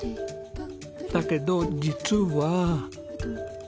だけど実は。